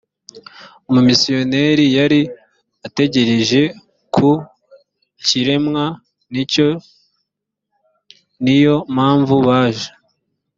umumisiyoneri yari ategereje ku kiremwa nk icyo ni yo mpamvu baje